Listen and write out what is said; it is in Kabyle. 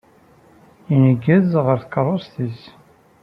Ineggez ɣer tkeṛṛust-is.